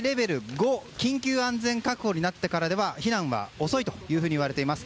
５緊急安全確保になってからでの避難は遅いといわれています。